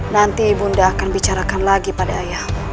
nanti ibunda akan bicarakan lagi pada ayahmu